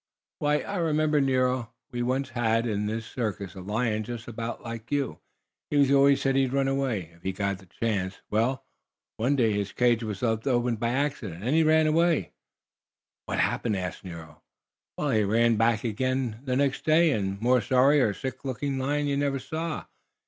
"Why, I remember, Nero, we once had in this circus a lion just about like you. He always said he'd run away if he got the chance. Well, one day his cage was left open by accident, and he ran away." "What happened?" asked Nero. "Well, he ran back again, the next day, and a more sorry or sick looking lion you never saw!